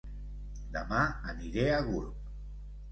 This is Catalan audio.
Dema aniré a Gurb